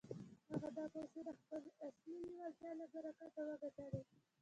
هغه دا پيسې د خپلې اصلي لېوالتيا له برکته وګټلې.